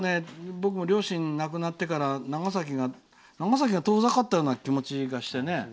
僕も両親が亡くなってから長崎が遠ざかったような気持ちがしてね。